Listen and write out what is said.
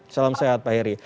salam sehat pak heri